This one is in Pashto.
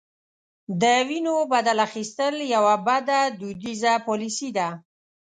د وینو بدل اخیستل یوه بده دودیزه پالیسي ده.